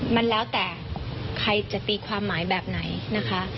มันแล้วแต่ใครจะตีความหมายแบบไหนนะคะ